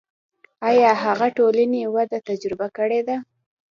آیا هغه ټولنې وده تجربه کړې ده.